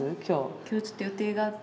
今日ちょっと予定があって。